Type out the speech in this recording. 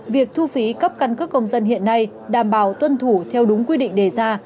việc thu phí cấp căn cước công dân hiện nay đảm bảo tuân thủ theo đúng quy định đề ra